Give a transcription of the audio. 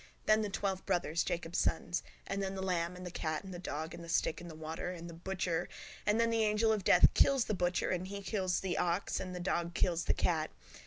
Then the twelve brothers, Jacob's sons. And then the lamb and the cat and the dog and the stick and the water and the butcher. And then the angel of death kills the butcher and he kills the ox and the dog kills the cat.